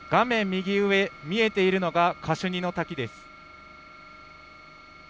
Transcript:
右上、見えているのがカシュニの滝です。